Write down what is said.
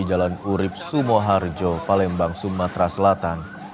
jalan urib sumoharjo palembang sumatera selatan